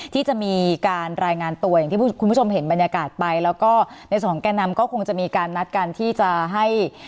ที่จะมีการรายงานตัวอย่างที่คุณผู้ชมเห็นบรรยากาศไปแล้วก็ในส่วนของแก่นำก็คงจะมีการนัดกันที่จะให้